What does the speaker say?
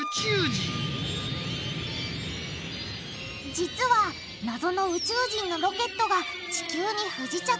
実は謎の宇宙人のロケットが地球に不時着。